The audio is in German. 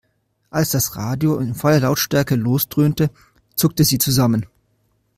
Als das Radio in voller Lautstärke losdröhnte, zuckte sie zusammen.